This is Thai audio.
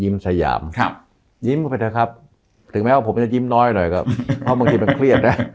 สยามครับยิ้มไปเถอะครับถึงแม้ว่าผมจะยิ้มน้อยหน่อยก็เพราะบางทีมันเครียดนะ